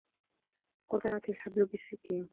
قُطِعَتْ الْحَبْلُ بِالسَّكَّيْنِ.